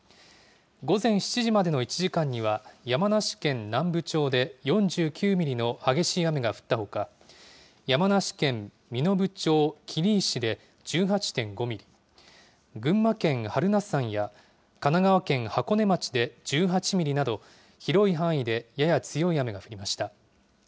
午前７時までの１時間には、山梨県南部町で４９ミリの激しい雨が降ったほか、山梨県身延町切石で１８．５ミリ、群馬県榛名山や神奈川県箱根町で１８ミリなど、広い範囲でやや強い雨が降りました。